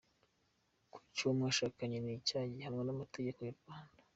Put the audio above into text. Kwica uwo mwashakanye ni icyaha gihanwa n'amategeko y'u Rwanda.